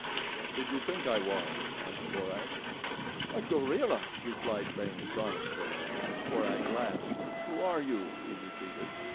"What did you think I was?" asked Korak. "A gorilla," replied Baynes, honestly. Korak laughed. "Who are you?" he repeated.